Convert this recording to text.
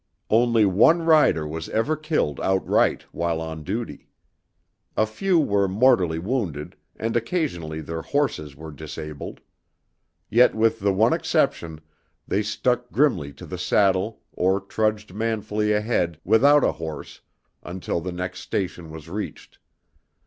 Only one rider was ever killed outright while on duty. A few were mortally wounded, and occasionally their horses were disabled. Yet with the one exception, they stuck grimly to the saddle or trudged manfully ahead without a horse until the next station was reached.